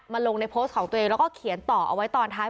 ลงในโพสต์ของตัวเองแล้วก็เขียนต่อเอาไว้ตอนท้าย